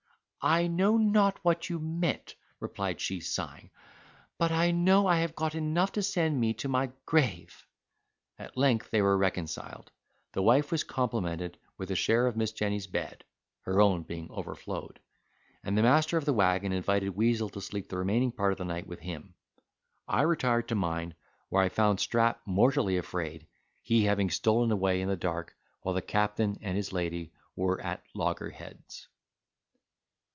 "I know not what you meant," replied she, sighing, "but I know I have got enough to send me to my grave." At length they were reconciled. The wife was complimented with a share of Miss Jenny's bed (her own being overflowed), and the master of the waggon invited Weazel to sleep the remaining part of the night with him. I retired to mine, where I found Strap mortally afraid, he having stolen away in the dark while the captain and his lady were at loggerheads.